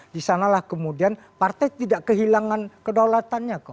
di sanalah kemudian partai tidak kehilangan kedaulatannya kok